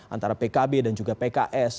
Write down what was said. antara pkb dan juga pks